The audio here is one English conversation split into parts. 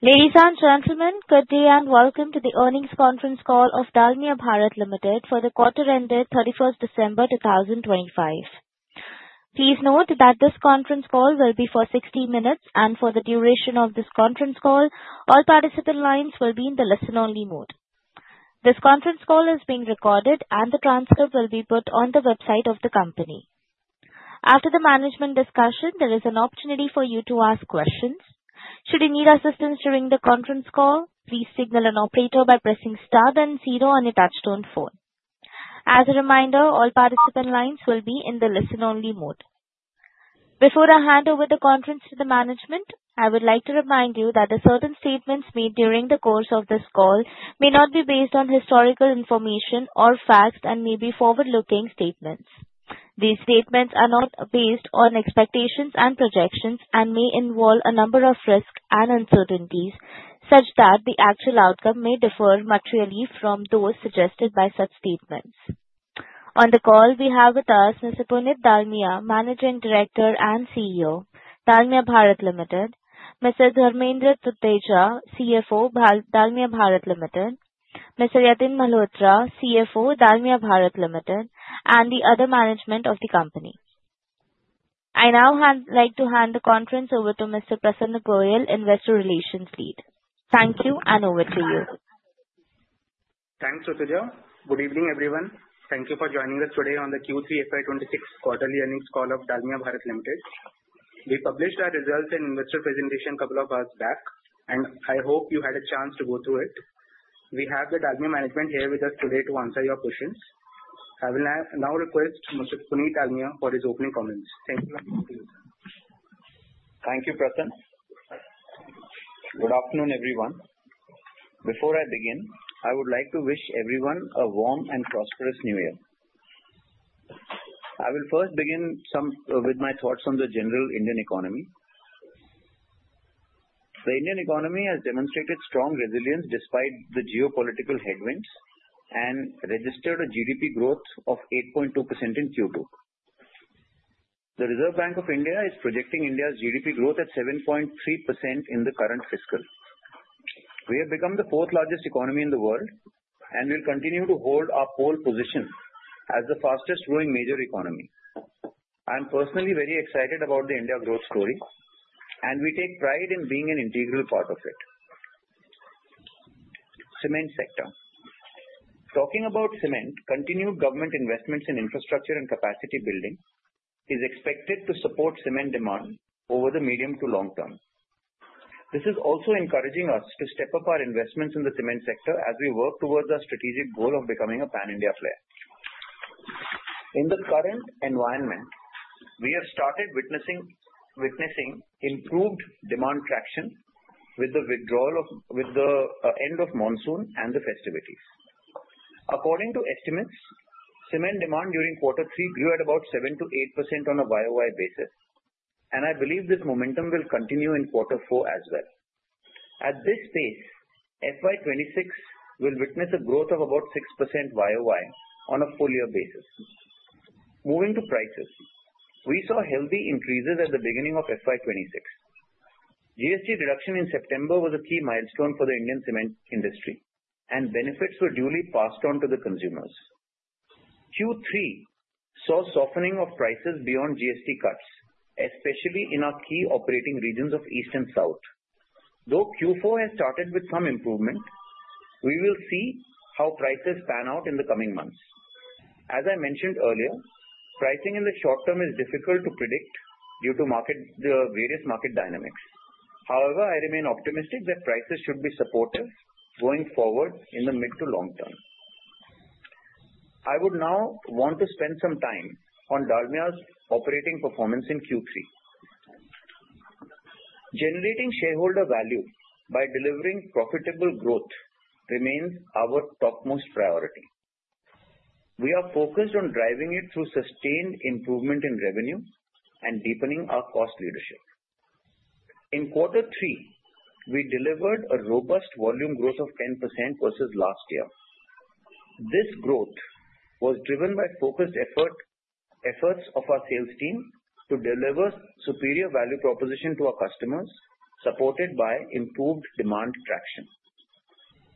Ladies and gentlemen, good day and welcome to the earnings conference call of Dalmia Bharat Limited for the quarter ended 31 December 2025. Please note that this conference call will be for 60 minutes, and for the duration of this conference call, all participant lines will be in the listen-only mode. This conference call is being recorded, and the transcript will be put on the website of the company. After the management discussion, there is an opportunity for you to ask questions. Should you need assistance during the conference call, please signal an operator by pressing star then zero on your touchtone phone. As a reminder, all participant lines will be in the listen-only mode. Before I hand over the conference to the management, I would like to remind you that certain statements made during the course of this call may not be based on historical information or facts and may be forward-looking statements. These statements are based on expectations and projections and may involve a number of risks and uncertainties such that the actual outcome may differ materially from those suggested by such statements. On the call, we have with us Mr. Puneet Dalmia, Managing Director and CEO, Dalmia Bharat Limited; Mr. Dharmendra Tuteja, CFO, Dalmia Bharat Limited; Mr. Yatin Malhotra, CFO, Dalmia Bharat Limited; and the other management of the company. I now would like to hand the conference over to Mr. Prasanna Goyal, Investor Relations Lead. Thank you, and over to you. Thanks, Swetuja. Good evening, everyone. Thank you for joining us today on the Q3 FY2026 quarterly earnings call of Dalmia Bharat Limited. We published our results and investor presentation a couple of hours back, and I hope you had a chance to go through it. We have the Dalmia management here with us today to answer your questions. I will now request Mr. Puneet Dalmia for his opening comments. Thank you. Thank you, Prasanna. Good afternoon, everyone. Before I begin, I would like to wish everyone a warm and prosperous New Year. I will first begin with my thoughts on the general Indian economy. The Indian economy has demonstrated strong resilience despite the geopolitical headwinds and registered a GDP growth of 8.2% in Q2. The Reserve Bank of India is projecting India's GDP growth at 7.3% in the current fiscal. We have become the fourth-largest economy in the world, and we will continue to hold our pole position as the fastest-growing major economy. I'm personally very excited about the India growth story, and we take pride in being an integral part of it. Cement sector. Talking about cement, continued government investments in infrastructure and capacity building is expected to support cement demand over the medium to long term. This is also encouraging us to step up our investments in the cement sector as we work towards our strategic goal of becoming a pan-India player. In the current environment, we have started witnessing improved demand traction with the end of monsoon and the festivities. According to estimates, cement demand during quarter three grew at about 7%-8% on a YoY basis, and I believe this momentum will continue in quarter four as well. At this pace, FY 2026 will witness a growth of about 6% YoY on a full-year basis. Moving to prices, we saw healthy increases at the beginning of FY 2026. GST reduction in September was a key milestone for the Indian cement industry, and benefits were duly passed on to the consumers. Q3 saw softening of prices beyond GST cuts, especially in our key operating regions of East and South. Though Q4 has started with some improvement, we will see how prices pan out in the coming months. As I mentioned earlier, pricing in the short term is difficult to predict due to the various market dynamics. However, I remain optimistic that prices should be supportive going forward in the mid to long term. I would now want to spend some time on Dalmia's operating performance in Q3. Generating shareholder value by delivering profitable growth remains our topmost priority. We are focused on driving it through sustained improvement in revenue and deepening our cost leadership. In quarter three, we delivered a robust volume growth of 10% versus last year. This growth was driven by focused efforts of our sales team to deliver superior value proposition to our customers, supported by improved demand traction.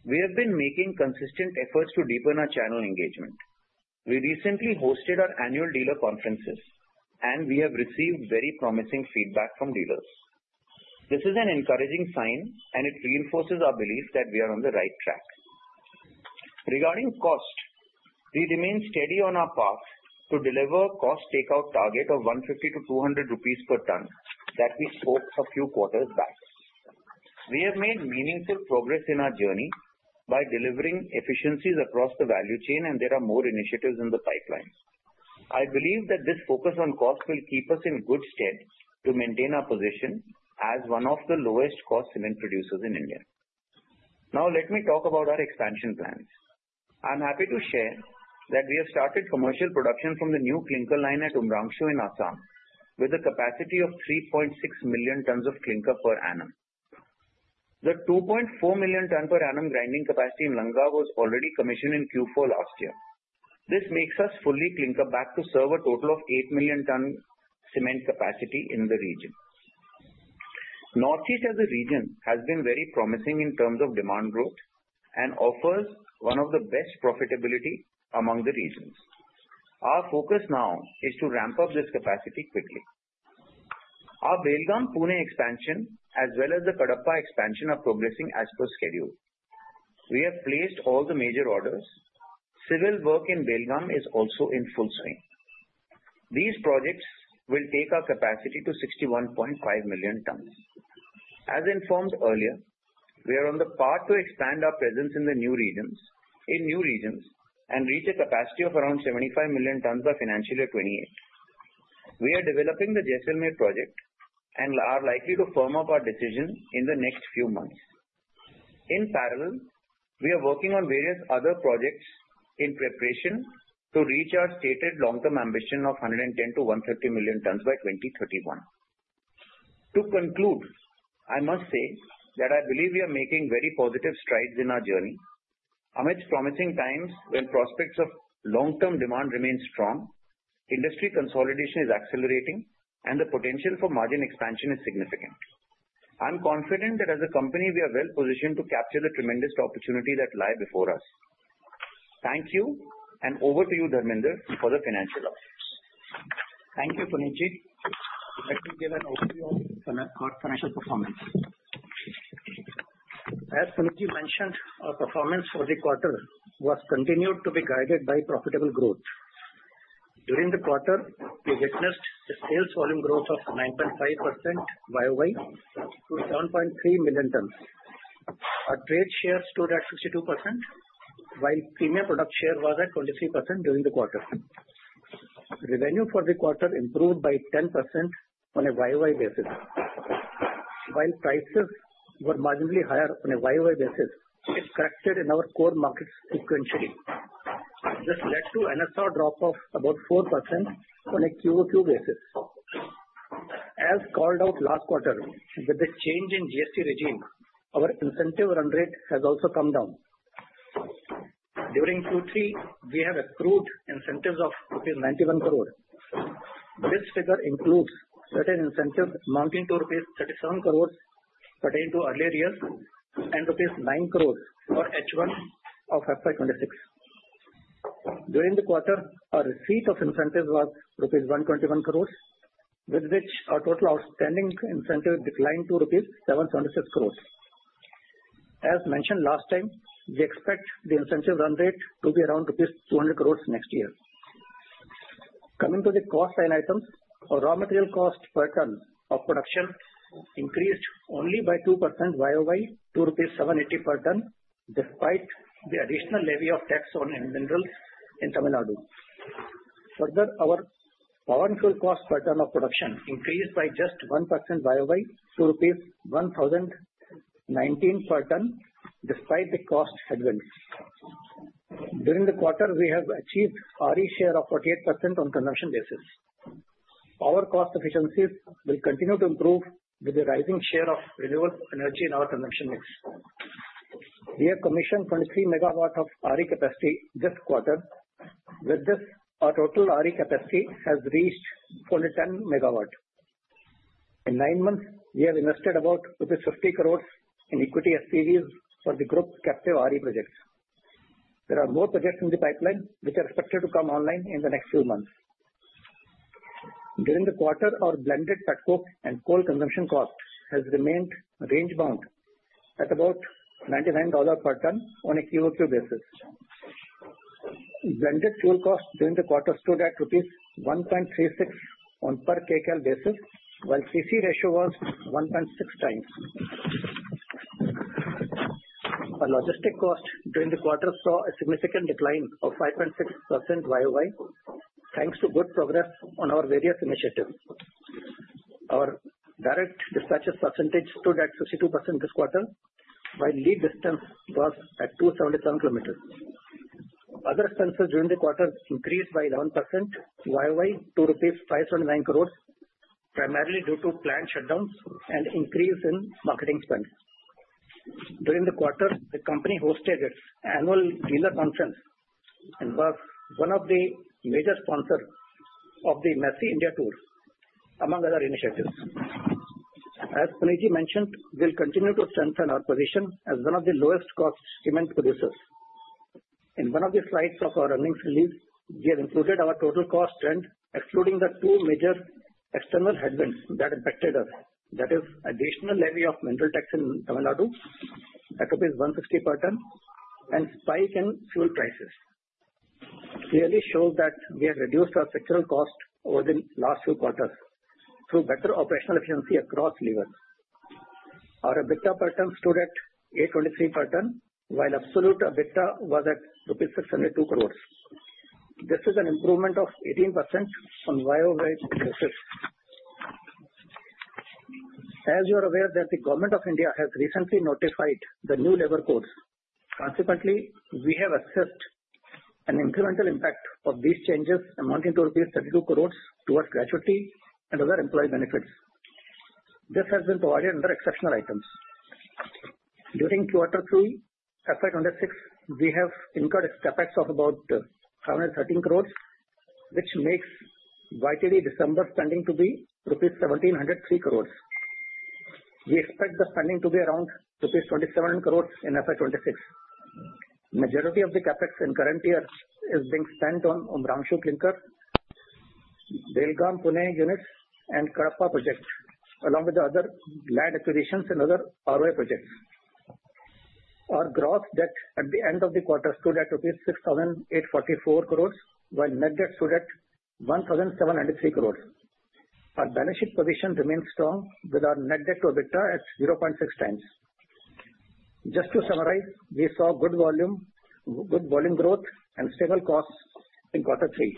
We have been making consistent efforts to deepen our channel engagement. We recently hosted our annual dealer conferences, and we have received very promising feedback from dealers. This is an encouraging sign, and it reinforces our belief that we are on the right track. Regarding cost, we remain steady on our path to deliver a cost takeout target of 150-200 rupees per ton that we spoke a few quarters back. We have made meaningful progress in our journey by delivering efficiencies across the value chain, and there are more initiatives in the pipeline. I believe that this focus on cost will keep us in good stead to maintain our position as one of the lowest-cost cement producers in India. Now, let me talk about our expansion plans. I'm happy to share that we have started commercial production from the new clinker line at Umrangso in Assam, with a capacity of 3.6 million tons of clinker per annum. The 2.4 million ton per annum grinding capacity in Lanka was already commissioned in Q4 last year. This makes us fully clinker backed to serve a total of 8 million ton cement capacity in the region. North East as a region has been very promising in terms of demand growth and offers one of the best profitability among the regions. Our focus now is to ramp up this capacity quickly. Our Belgaum-Pune expansion, as well as the Kadapa expansion, are progressing as per schedule. We have placed all the major orders. Civil work in Belgaum is also in full swing. These projects will take our capacity to 61.5 million tons. As informed earlier, we are on the path to expand our presence in the new regions and reach a capacity of around 75 million tons by financial year 2028. We are developing the Jaisalmer project and are likely to firm up our decision in the next few months. In parallel, we are working on various other projects in preparation to reach our stated long-term ambition of 110-150 million tons by 2031. To conclude, I must say that I believe we are making very positive strides in our journey. Amidst promising times when prospects of long-term demand remain strong, industry consolidation is accelerating, and the potential for margin expansion is significant. I'm confident that as a company, we are well positioned to capture the tremendous opportunity that lies before us. Thank you, and over to you, Dharmender, for the financial updates. Thank you, Puneetji. Let me give an overview of our financial performance. As Puneetji mentioned, our performance for the quarter was continued to be guided by profitable growth. During the quarter, we witnessed a sales volume growth of 9.5% YoY to 7.3 million tons. Our trade share stood at 62%, while premium product share was at 23% during the quarter. Revenue for the quarter improved by 10% on a YoY basis. While prices were marginally higher on a YoY basis, it corrected in our core markets sequentially. This led to an NSR drop of about 4% on a QoQ basis. As called out last quarter, with the change in GST regime, our incentive run rate has also come down. During Q3, we have accrued incentives of rupees 91 crore. This figure includes certain incentives amounting to rupees 37 crore pertaining to earlier years and rupees 9 crore for H1 of FY 2026. During the quarter, our receipt of incentives was rupees 121 crore, with which our total outstanding incentive declined to rupees 776 crore. As mentioned last time, we expect the incentive run rate to be around rupees 200 crore next year. Coming to the cost line items, our raw material cost per ton of production increased only by 2% YoY to 780 per ton, despite the additional levy of tax on minerals in Tamil Nadu. Further, our power and fuel cost per ton of production increased by just 1% YoY to rupees 1,019 per ton, despite the cost headwinds. During the quarter, we have achieved RE share of 48% on consumption basis. Our cost efficiencies will continue to improve with the rising share of renewable energy in our consumption mix. We have commissioned 23 megawatts of RE capacity this quarter. With this, our total RE capacity has reached 410 megawatts. In nine months, we have invested about rupees 50 crore in equity SPVs for the group captive RE projects. There are more projects in the pipeline which are expected to come online in the next few months. During the quarter, our blended petcoke and coal consumption cost has remained range-bound at about $99 per ton on a QOQ basis. Blended fuel cost during the quarter stood at rupees 1.36 on per Kcal basis, while CC ratio was 1.6 times. Our logistic cost during the quarter saw a significant decline of 5.6% YOY, thanks to good progress on our various initiatives. Our direct dispatches percentage stood at 62% this quarter, while lead distance was at 277 km. Other expenses during the quarter increased by 11% YOY to rupees 579 crore, primarily due to planned shutdowns and increase in marketing spend. During the quarter, the company hosted its annual dealer conference and was one of the major sponsors of the Miss India Tour, among other initiatives. As Puneet mentioned, we will continue to strengthen our position as one of the lowest-cost cement producers. In one of the slides of our earnings release, we have included our total cost and, excluding the two major external headwinds that impacted us, that is, additional levy of mineral tax in Tamil Nadu at 160 per ton and spike in fuel prices, clearly shows that we have reduced our fiscal cost over the last few quarters through better operational efficiency across levers. Our EBITDA per ton stood at 823 per ton, while absolute EBITDA was at rupees 602 crore. This is an improvement of 18% on YOY basis. As you are aware, the Government of India has recently notified the new labor codes. Consequently, we have assessed an incremental impact of these changes amounting to INR 32 crore towards gratuity and other employee benefits. This has been provided under exceptional items. During quarter three, financial year 2026, we have incurred CapEx of about 513 crore, which makes year-to-date December spending to be INR 1,703 crore. We expect the spending to be around INR 27 crore in financial year 2026. Majority of the CapEx in current year is being spent on Umrangso clinker, Belgaum-Pune units, and Kadapa projects, along with the other land acquisitions and other ROC projects. Our gross debt at the end of the quarter stood at rupees 6,844 crore, while net debt stood at 1,703 crore. Our balance sheet position remains strong, with our net debt to EBITDA at 0.6 times. Just to summarize, we saw good volume growth and stable costs in quarter three.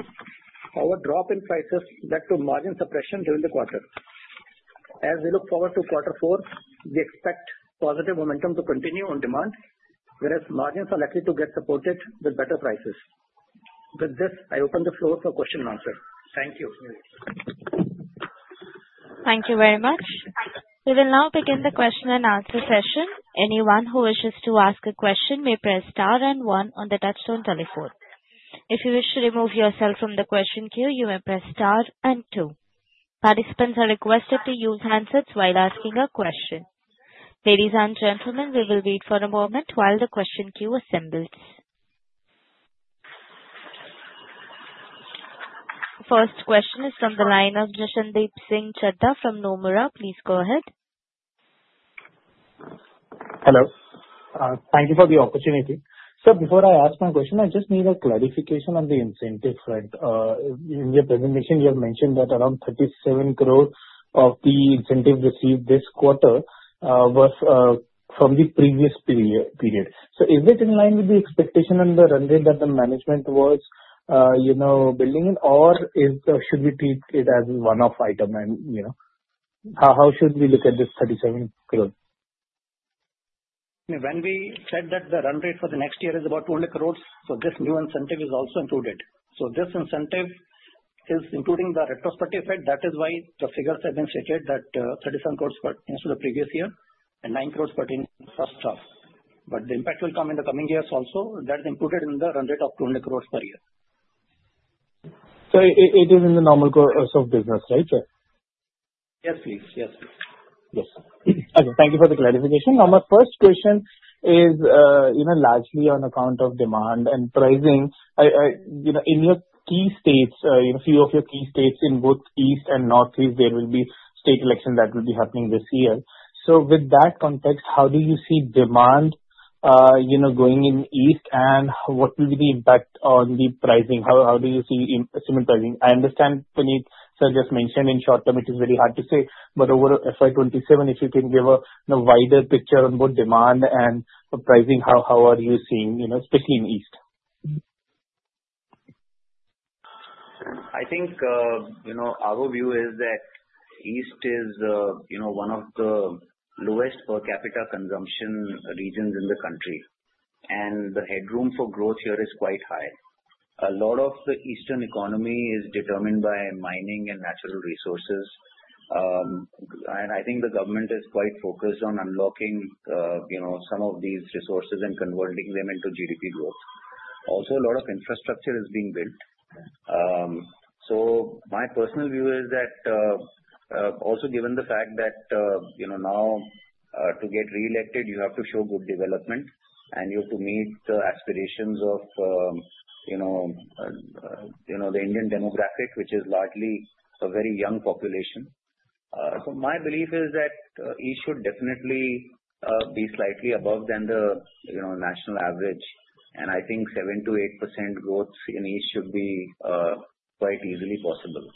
Our drop in prices led to margin suppression during the quarter. As we look forward to quarter four, we expect positive momentum to continue on demand, whereas margins are likely to get supported with better prices. With this, I open the floor for question and answer. Thank you. Thank you very much. We will now begin the question and answer session. Anyone who wishes to ask a question may press star and one on the touchstone telephone. If you wish to remove yourself from the question queue, you may press star and two. Participants are requested to use handsets while asking a question. Ladies and gentlemen, we will wait for a moment while the question queue assembles. First question is from the line of Jashandeep Singh Chadha from Nomura. Please go ahead. Hello. Thank you for the opportunity. Sir, before I ask my question, I just need a clarification on the incentive front. In your presentation, you have mentioned that around 37 crore of the incentive received this quarter was from the previous period. Is it in line with the expectation on the run rate that the management was building in, or should we treat it as a one-off item? How should we look at this 37 crore? When we said that the run rate for the next year is about 200 crore, this new incentive is also included. This incentive is including the retrospective effect. That is why the figures have been stated that 37 crore pertaining to the previous year and 9 crore per ton plus stock. The impact will come in the coming years also. That is included in the run rate of 200 crore per year. It is in the normal course of business, right? Yes, please. Yes. Yes. Okay. Thank you for the clarification. Now, my first question is largely on account of demand and pricing. In your key states, a few of your key states in both east and northeast, there will be state elections that will be happening this year. With that context, how do you see demand going in east, and what will be the impact on the pricing? How do you see cement pricing? I understand Puneet just mentioned in short term it is very hard to say, but over FY 2027, if you can give a wider picture on both demand and pricing, how are you seeing, especially in east? I think our view is that east is one of the lowest per capita consumption regions in the country, and the headroom for growth here is quite high. A lot of the eastern economy is determined by mining and natural resources, and I think the government is quite focused on unlocking some of these resources and converting them into GDP growth. Also, a lot of infrastructure is being built. My personal view is that, also given the fact that now to get re-elected, you have to show good development, and you have to meet the aspirations of the Indian demographic, which is largely a very young population. My belief is that east should definitely be slightly above than the national average, and I think 7%-8% growth in east should be quite easily possible.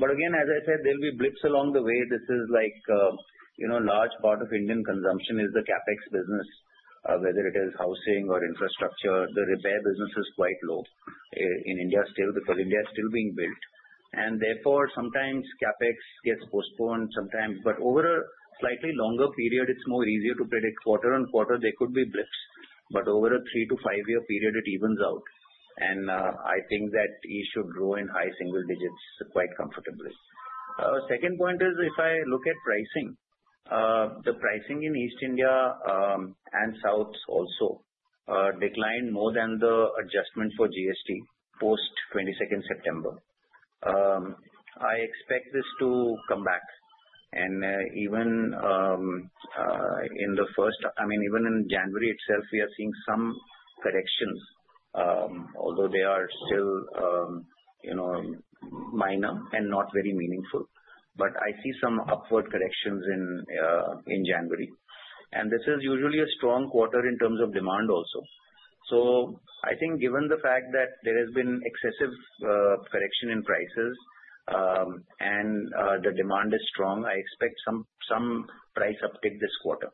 Again, as I said, there will be blips along the way. This is like a large part of Indian consumption is the CapEx business, whether it is housing or infrastructure. The repair business is quite low in India. State of the Coal India is still being built, and therefore sometimes CapEx gets postponed. Over a slightly longer period, it is more easier to predict. Quarter on quarter, there could be blips, but over a three- to five-year period, it evens out, and I think that East should grow in high single digits quite comfortably. Second point is, if I look at pricing, the pricing in East India and South also declined more than the adjustment for GST post 22nd September. I expect this to come back, and even in the first, I mean, even in January itself, we are seeing some corrections, although they are still minor and not very meaningful. I see some upward corrections in January, and this is usually a strong quarter in terms of demand also. I think given the fact that there has been excessive correction in prices and the demand is strong, I expect some price uptick this quarter.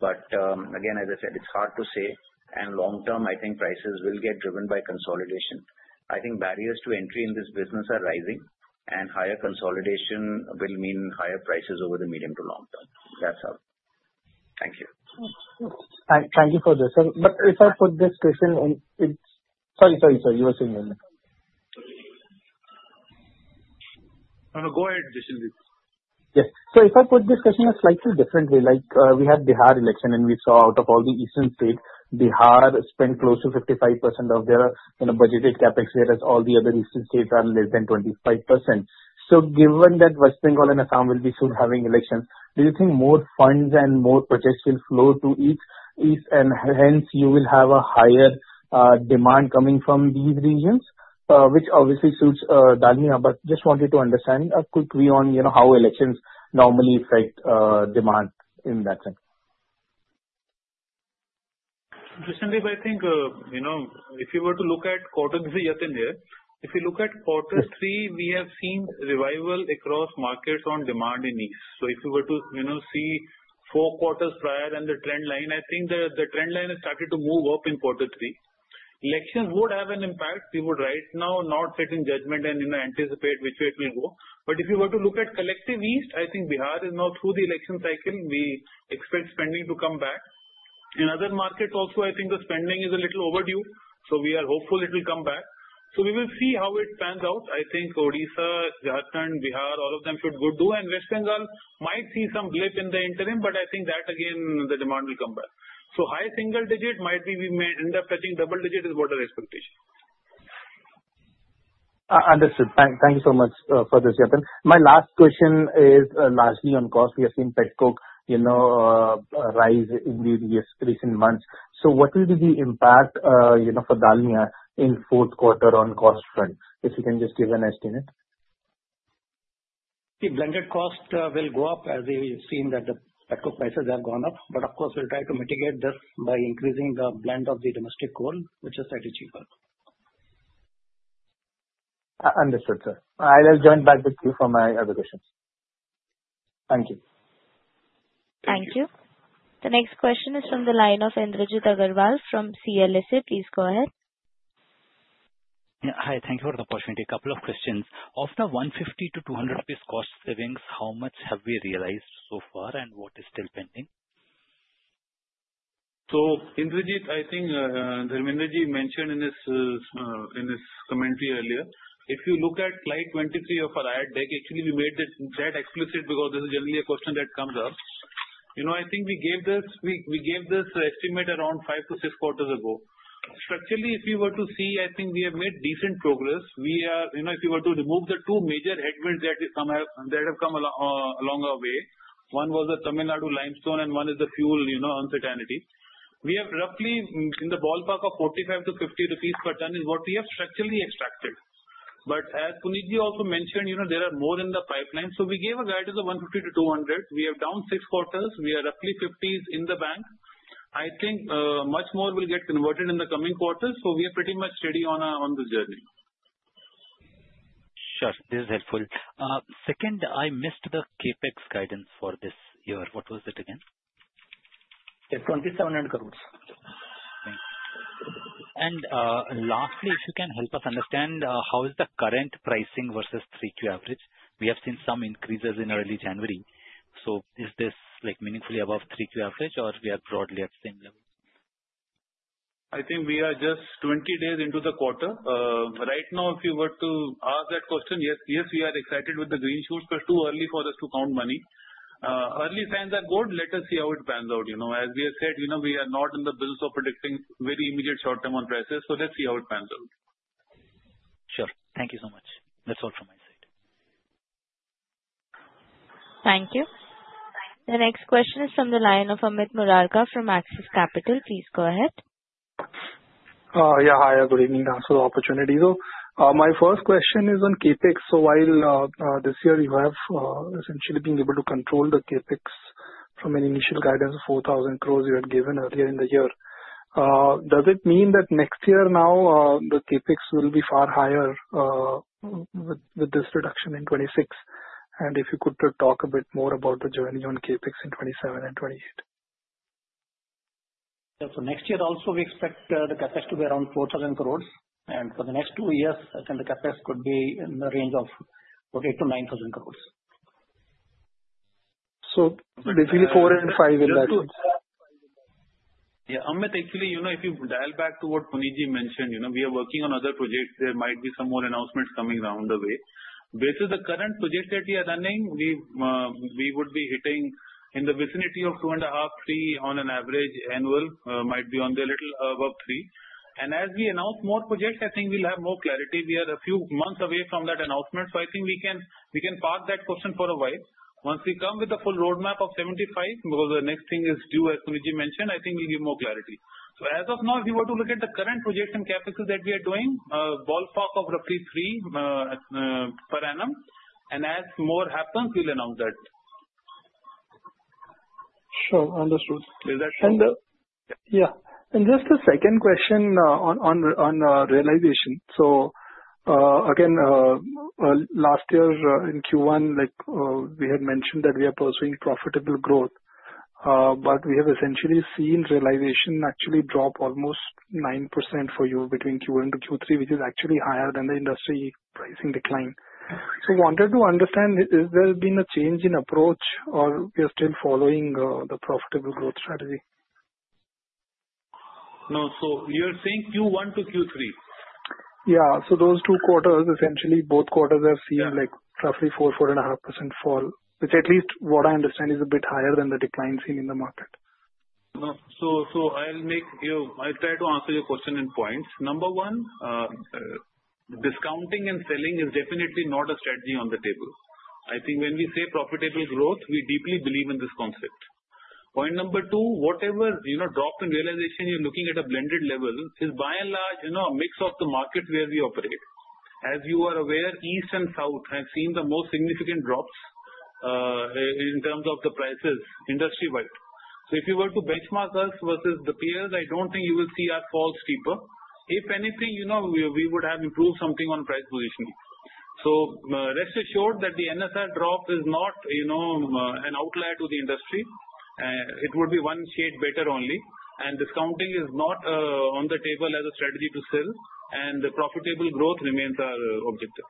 Again, as I said, it's hard to say, and long term, I think prices will get driven by consolidation. I think barriers to entry in this business are rising, and higher consolidation will mean higher prices over the medium to long term. That's all. Thank you. Thank you for this. If I put this question in—sorry, you were saying one more. No, no, go ahead, Jashandeep. Yes. If I put this question a slightly different way, like we had Bihar election, and we saw out of all the eastern states, Bihar spent close to 55% of their budgeted CapEx, whereas all the other eastern states are less than 25%. Given that West Bengal and Assam will be soon having elections, do you think more funds and more projects will flow to East, and hence you will have a higher demand coming from these regions, which obviously suits Dalmia? I just wanted to understand a quick view on how elections normally affect demand in that sense. Jashandeep, I think if you were to look at quarter three yet in there, if you look at quarter three, we have seen revival across markets on demand in east. If you were to see four quarters prior and the trend line, I think the trend line has started to move up in quarter three. Elections would have an impact. We would right now not sit in judgment and anticipate which way it will go. If you were to look at collective east, I think Bihar is now through the election cycle. We expect spending to come back. In other markets also, I think the spending is a little overdue, so we are hopeful it will come back. We will see how it pans out. I think Odisha, Jharkhand, Bihar, all of them should do good, and West Bengal might see some blip in the interim, but I think that again, the demand will come back. High single digit might be we may end up touching double digit is what our expectation. Understood. Thank you so much for this, Jashandeep. My last question is largely on cost. We have seen petcoke rise in the recent months. What will be the impact for Dalmia in fourth quarter on cost front, if you can just give an estimate? See, blended cost will go up as we've seen that the petcoke prices have gone up, but of course, we'll try to mitigate this by increasing the blend of the domestic coal, which is slightly cheaper. Understood, sir. I will join back with you for my other questions. Thank you. Thank you. The next question is from the line of Indrajit Agarwal from CLSA. Please go ahead. Yeah. Hi. Thank you for the opportunity. A couple of questions. Of the 150-200 rupees cost savings, how much have we realized so far, and what is still pending? Indrajit, I think Dharmenderji mentioned in his commentary earlier, if you look at slide 23 of our IR DEC, actually we made that explicit because this is generally a question that comes up. I think we gave this estimate around five to six quarters ago. Structurally, if you were to see, I think we have made decent progress. If you were to remove the two major headwinds that have come along our way, one was the Tamil Nadu limestone, and one is the fuel uncertainty. We have roughly in the ballpark of 45-50 rupees per ton is what we have structurally extracted. As Puneetji also mentioned, there are more in the pipeline. We gave a guide to the 150-200. We are down six quarters. We are roughly 50 in the bank. I think much more will get converted in the coming quarters, so we are pretty much steady on the journey. Sure. This is helpful. Second, I missed the CapEx guidance for this year. What was it again? It's INR 2,700 crore. Thank you. Lastly, if you can help us understand, how is the current pricing versus 3Q average? We have seen some increases in early January. Is this meaningfully above 3Q average, or are we broadly at the same level? I think we are just 20 days into the quarter. Right now, if you were to ask that question, yes, we are excited with the green shoots, but too early for us to count money. Early signs are good. Let us see how it pans out. As we have said, we are not in the business of predicting very immediate short term on prices, so let's see how it pans out. Sure. Thank you so much. That's all from my side. Thank you. The next question is from the line of Amit Murarka from Axis Capital. Please go ahead. Yeah. Hi. Good evening. Thanks for the opportunity. My first question is on CapEx. While this year you have essentially been able to control the CapEx from an initial guidance of 4,000 crore you had given earlier in the year, does it mean that next year now the CapEx will be far higher with this reduction in 2026? If you could talk a bit more about the journey on CapEx in 2027 and 2028. Yeah. Next year also, we expect the CapEx to be around 4,000 crore, and for the next two years, I think the CapEx could be in the range of 8,000-9,000 crore. Basically four and five in that. Yeah. Amit, actually, if you dial back to what Puneetji mentioned, we are working on other projects. There might be some more announcements coming down the way. Based on the current projects that we are running, we would be hitting in the vicinity of two and a half, three on an average annual, might be on the little above three. As we announce more projects, I think we'll have more clarity. We are a few months away from that announcement, so I think we can park that question for a while. Once we come with the full roadmap of 75, because the next thing is due, as Puneetji mentioned, I think we'll give more clarity. As of now, if you were to look at the current projection CapEx that we are doing, ballpark of roughly three per annum, and as more happens, we'll announce that. Sure. Understood. Is that true? Yeah. Just a second question on realization. Last year in Q1, we had mentioned that we are pursuing profitable growth, but we have essentially seen realization actually drop almost 9% for you between Q1 to Q3, which is actually higher than the industry pricing decline. Wanted to understand, has there been a change in approach, or we are still following the profitable growth strategy? No. You are saying Q1 to Q3? Yeah. Those two quarters, essentially both quarters have seen roughly 4-4.5% fall, which at least what I understand is a bit higher than the decline seen in the market. No. I'll try to answer your question in points. Number one, discounting and selling is definitely not a strategy on the table. I think when we say profitable growth, we deeply believe in this concept. Point number two, whatever drop in realization you're looking at a blended level is by and large a mix of the markets where we operate. As you are aware, east and south have seen the most significant drops in terms of the prices industry-wide. If you were to benchmark us versus the peers, I don't think you will see us fall steeper. If anything, we would have improved something on price positioning. Rest assured that the NSR drop is not an outlier to the industry. It would be one shade better only, and discounting is not on the table as a strategy to sell, and the profitable growth remains our objective.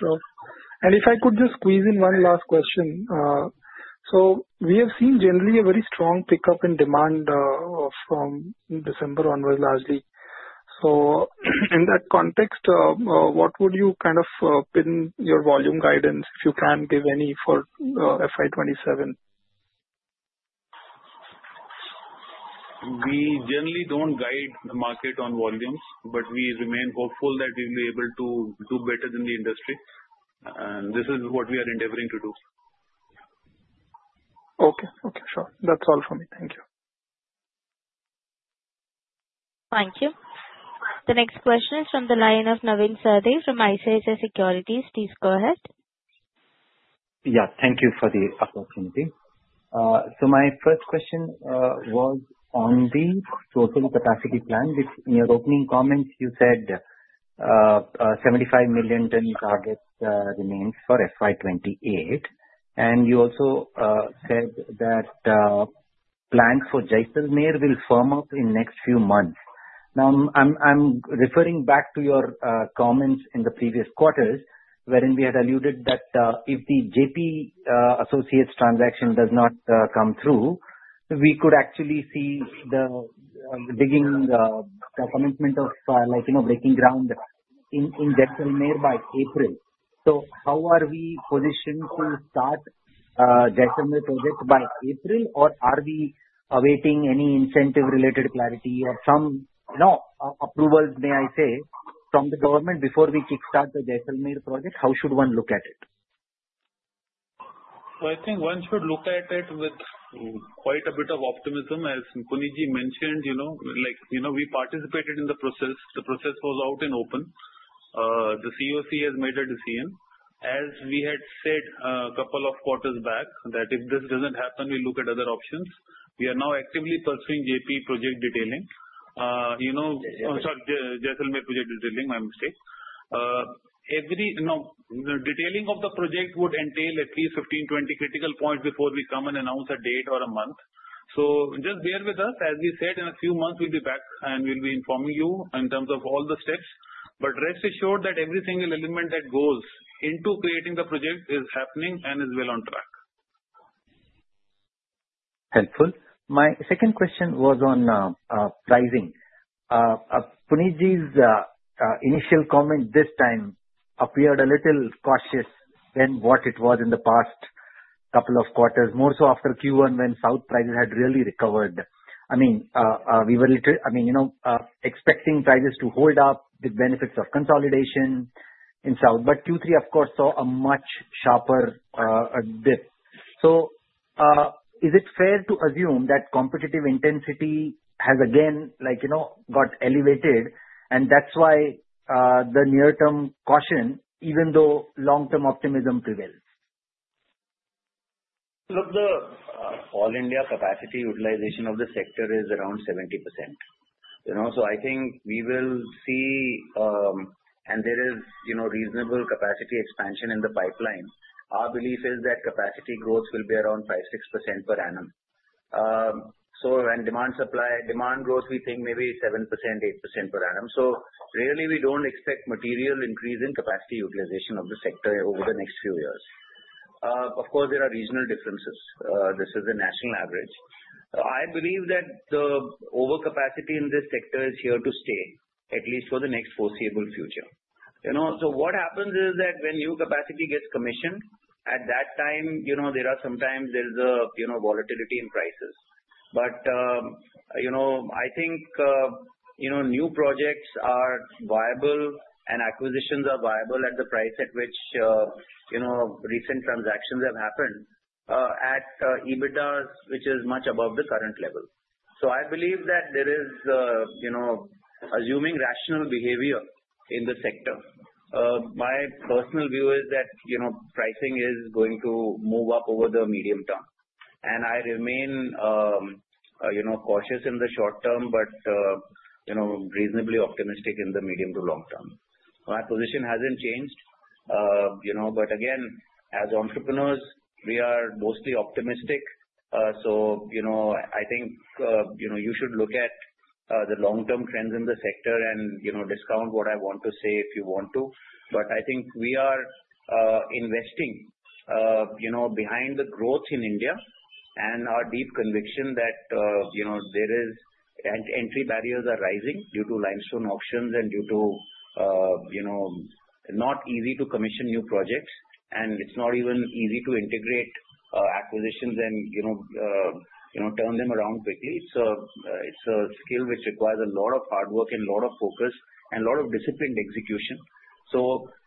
Sure. If I could just squeeze in one last question. We have seen generally a very strong pickup in demand from December onwards largely. In that context, what would you kind of pin your volume guidance, if you can give any, for FY 2027? We generally do not guide the market on volumes, but we remain hopeful that we will be able to do better than the industry. This is what we are endeavoring to do. Okay. Okay. Sure. That's all from me. Thank you. Thank you. The next question is from the line of Navin Sahadeo from ICICI Securities. Please go ahead. Yeah. Thank you for the opportunity. My first question was on the total capacity plan. In your opening comments, you said 75 million target remains for FY 2028, and you also said that plans for Jaisalmer will firm up in the next few months. Now, I'm referring back to your comments in the previous quarters, wherein we had alluded that if the JP Associates transaction does not come through, we could actually see the commitment of breaking ground in Jaisalmer by April. How are we positioned to start Jaisalmer project by April, or are we awaiting any incentive-related clarity or some approvals, may I say, from the government before we kickstart the Jaisalmer project? How should one look at it? I think one should look at it with quite a bit of optimism. As Puneetji mentioned, we participated in the process. The process was out and open. The CoC has made a decision. As we had said a couple of quarters back, that if this does not happen, we look at other options. We are now actively pursuing JP project detailing. Sorry, Jaisalmer project detailing, my mistake. Detailing of the project would entail at least 15-20 critical points before we come and announce a date or a month. Just bear with us. As we said, in a few months, we will be back, and we will be informing you in terms of all the steps. Rest assured that every single element that goes into creating the project is happening and is well on track. Helpful. My second question was on pricing. Puneetji's initial comment this time appeared a little cautious than what it was in the past couple of quarters, more so after Q1 when south prices had really recovered. I mean, we were expecting prices to hold up with benefits of consolidation in south, but Q3, of course, saw a much sharper dip. Is it fair to assume that competitive intensity has again got elevated, and that's why the near-term caution, even though long-term optimism prevails? Look, the all-India capacity utilization of the sector is around 70%. I think we will see, and there is reasonable capacity expansion in the pipeline. Our belief is that capacity growth will be around 5-6% per annum. When demand grows, we think maybe 7-8% per annum. Really, we do not expect material increase in capacity utilization of the sector over the next few years. Of course, there are regional differences. This is a national average. I believe that the overcapacity in this sector is here to stay, at least for the next foreseeable future. What happens is that when new capacity gets commissioned, at that time, there are sometimes there is volatility in prices. I think new projects are viable, and acquisitions are viable at the price at which recent transactions have happened at EBITDA, which is much above the current level. I believe that there is assuming rational behavior in the sector. My personal view is that pricing is going to move up over the medium term, and I remain cautious in the short term but reasonably optimistic in the medium to long term. My position has not changed. Again, as entrepreneurs, we are mostly optimistic. I think you should look at the long-term trends in the sector and discount what I want to say if you want to. I think we are investing behind the growth in India and our deep conviction that entry barriers are rising due to limestone auctions and due to not easy to commission new projects, and it is not even easy to integrate acquisitions and turn them around quickly. It is a skill which requires a lot of hard work and a lot of focus and a lot of disciplined execution.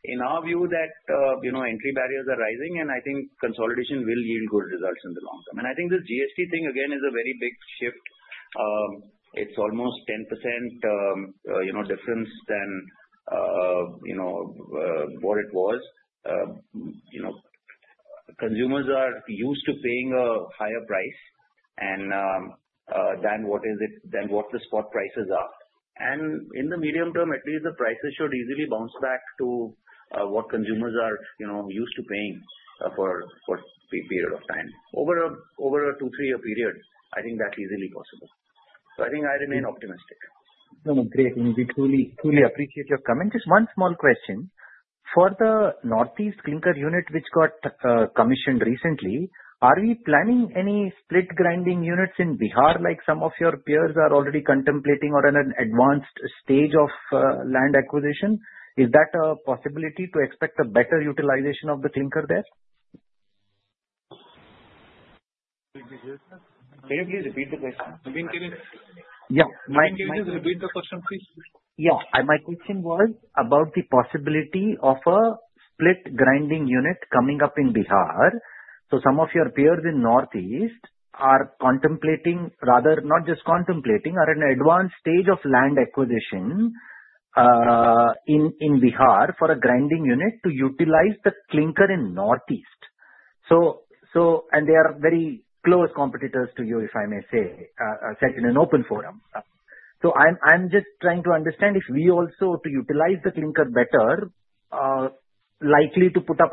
In our view, entry barriers are rising, and I think consolidation will yield good results in the long term. I think this GST thing, again, is a very big shift. It is almost 10% difference than what it was. Consumers are used to paying a higher price than what the spot prices are. In the medium term, at least the prices should easily bounce back to what consumers are used to paying for a period of time. Over a two, three-year period, I think that is easily possible. I think I remain optimistic. No, no. Great. We truly appreciate your comment. Just one small question. For the Northeast clinker unit which got commissioned recently, are we planning any split grinding units in Bihar like some of your peers are already contemplating or in an advanced stage of land acquisition? Is that a possibility to expect a better utilization of the clinker there? Can you hear me? Can you please repeat the question? Yeah. Can you please repeat the question, please? Yeah. My question was about the possibility of a split grinding unit coming up in Bihar. Some of your peers in Northeast are contemplating, rather not just contemplating, are in an advanced stage of land acquisition in Bihar for a grinding unit to utilize the clinker in Northeast. They are very close competitors to you, if I may say, set in an open forum. I am just trying to understand if we also, to utilize the clinker better, are likely to put up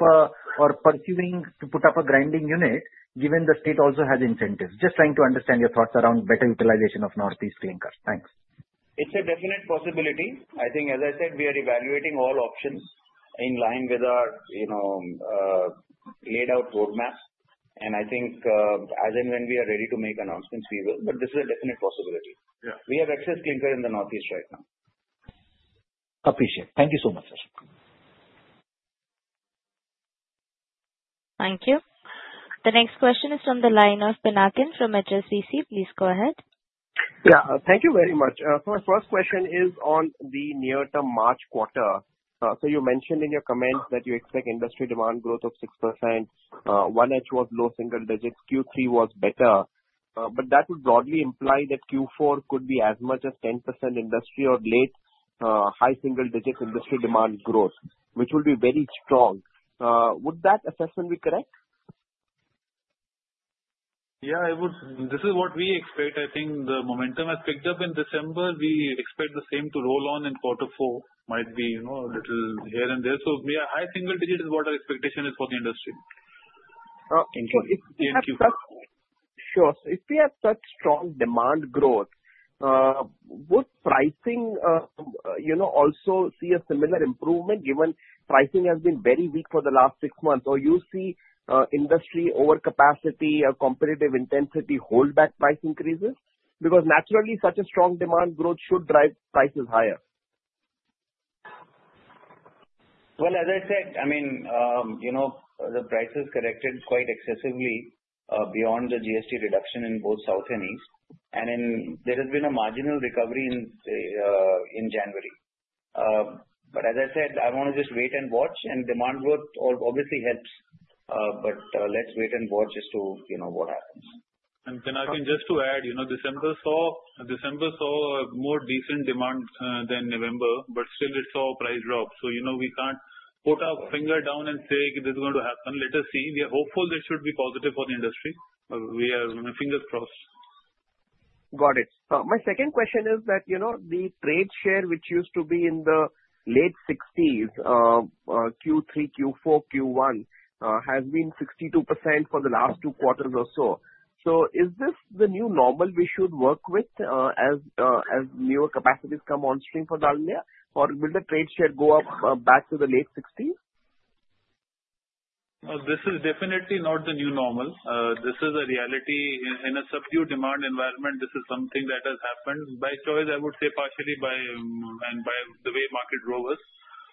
or pursuing to put up a grinding unit given the state also has incentives. Just trying to understand your thoughts around better utilization of Northeast clinker. Thanks. It's a definite possibility. I think, as I said, we are evaluating all options in line with our laid-out roadmap. I think as and when we are ready to make announcements, we will. This is a definite possibility. We have excess clinker in the Northeast right now. Appreciate it. Thank you so much, sir. Thank you. The next question is from the line of Pinakin from HSBC. Please go ahead. Yeah. Thank you very much. My first question is on the near-term March quarter. You mentioned in your comments that you expect industry demand growth of 6%. OneH was low single digits. Q3 was better. That would broadly imply that Q4 could be as much as 10% industry or late high single digit industry demand growth, which would be very strong. Would that assessment be correct? Yeah, it would. This is what we expect. I think the momentum has picked up in December. We expect the same to roll on in quarter four. Might be a little here and there. High single digit is what our expectation is for the industry. Sure. If we have such strong demand growth, would pricing also see a similar improvement given pricing has been very weak for the last six months? Or you see industry overcapacity, competitive intensity, hold back price increases? Because naturally, such a strong demand growth should drive prices higher. As I said, I mean, the price has corrected quite excessively beyond the GST reduction in both South and East. There has been a marginal recovery in January. As I said, I want to just wait and watch. Demand growth obviously helps, but let's wait and watch as to what happens. Pinakin, just to add, December saw more decent demand than November, but still it saw a price drop. We can't put our finger down and say this is going to happen. Let us see. We are hopeful this should be positive for the industry. We have fingers crossed. Got it. My second question is that the trade share which used to be in the late 60s, Q3, Q4, Q1, has been 62% for the last two quarters or so. Is this the new normal we should work with as newer capacities come on stream for Dalmia? Or will the trade share go up back to the late 60s? This is definitely not the new normal. This is a reality. In a subdued demand environment, this is something that has happened by choice, I would say partially by and by the way market drove us.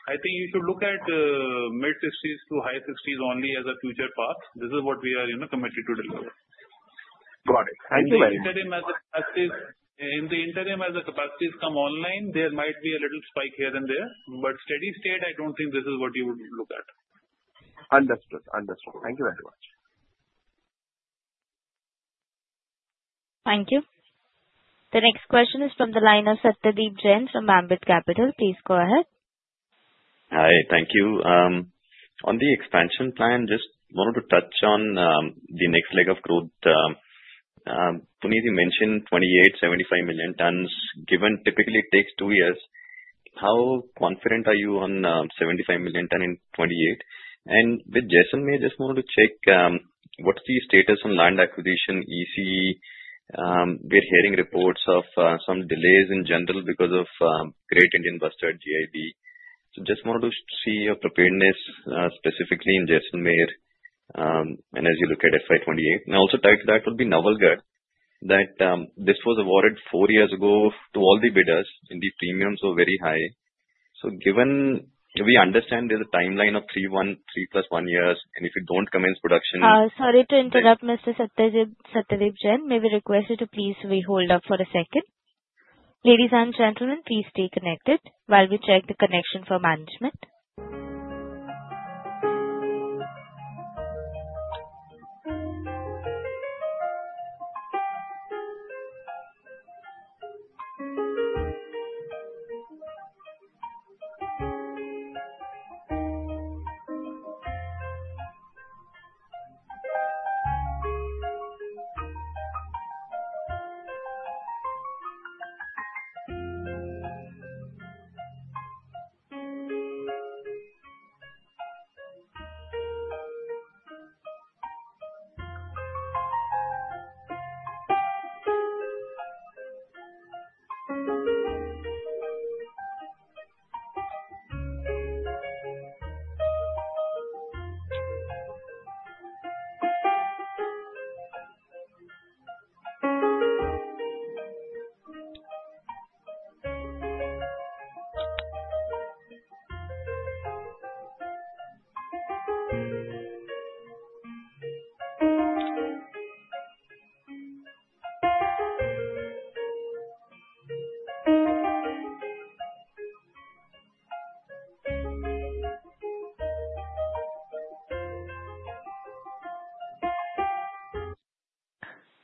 I think you should look at mid 60s to high 60s only as a future path. This is what we are committed to deliver. Got it. Thank you very much. In the interim as the capacities come online, there might be a little spike here and there. Steady state, I don't think this is what you would look at. Understood. Understood. Thank you very much. Thank you. The next question is from the line of Satyadeep Jain from Ambit Capital. Please go ahead. Hi. Thank you. On the expansion plan, just wanted to touch on the next leg of growth. Puneetji mentioned 28, 75 million tons. Given typically it takes two years, how confident are you on 75 million ton in 2028? With Jaisalmer, just wanted to check what's the status on land acquisition, EC? We're hearing reports of some delays in general because of Great Indian Bustard, GIB. Just wanted to see your preparedness specifically in Jaisalmer as you look at FY 2028. Also tied to that would be Navalgarh, that this was awarded four years ago to all the bidders and the premiums were very high. Given we understand there's a timeline of three plus one years, and if you don't commence production. Sorry to interrupt, Mr. Satyadeep Jain. May we request you to please hold up for a second? Ladies and gentlemen, please stay connected while we check the connection for management.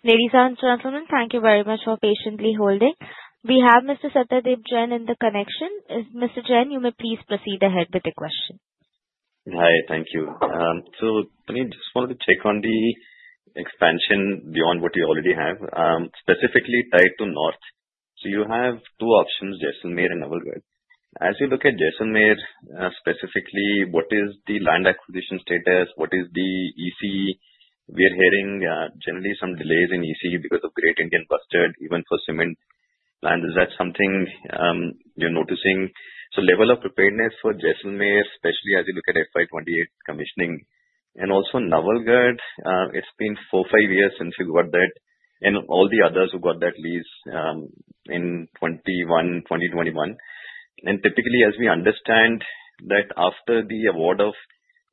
Ladies and gentlemen, thank you very much for patiently holding. We have Mr. Satyadeep Jain in the connection. Mr. Jain, you may please proceed ahead with the question. Hi. Thank you. Puneetji, just wanted to check on the expansion beyond what you already have, specifically tied to north. You have two options, Jaisalmer and Navalgarh. As you look at Jaisalmer specifically, what is the land acquisition status? What is the EC? We're hearing generally some delays in EC because of Great Indian Bustard, even for cement land. Is that something you're noticing? Level of preparedness for Jaisalmer, especially as you look at FY 2028 commissioning. Also, Navalgarh, it's been four-five years since you got that, and all the others who got that lease in 2021. Typically, as we understand, after the award of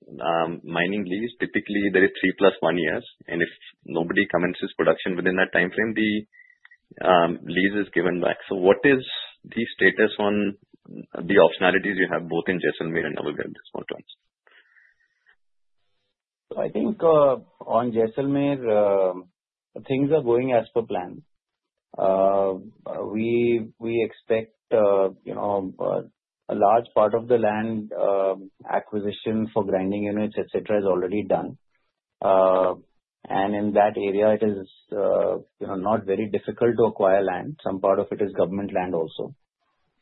mining lease, typically there is three plus one years. If nobody commences production within that timeframe, the lease is given back. What is the status on the optionalities you have both in Jaisalmer and Navalgarh, the small towns? I think on Jaisalmer, things are going as per plan. We expect a large part of the land acquisition for grinding units, etc., is already done. In that area, it is not very difficult to acquire land. Some part of it is government land also.